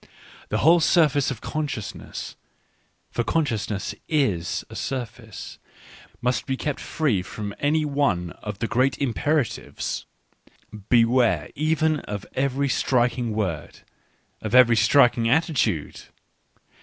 The whole surface of consciousness — for consciousness is a surface — must be kept free from any one of the great imperatives. Beware even of every striking word, of every striking attitude